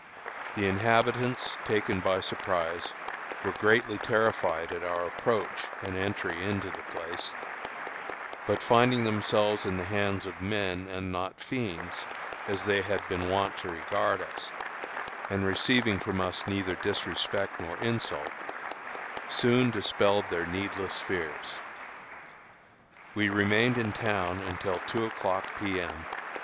The inhabitants, taken by surprise, were greatly terrified at our approach and entry into the place, but finding themselves in the hands of men, and not fiends, as they had been wont to regard us, and receiving from us neither disrespect nor insult, soon dispelled their needless fears. We remained in town until two o'clock P. M.